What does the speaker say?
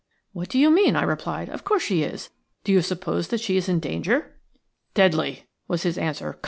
"What do you mean?" I replied. "Of course she is. Do you suppose that she is in danger?" "Deadly," was his answer.